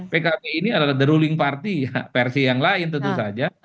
pkb ini adalah the ruling party versi yang lain tentu saja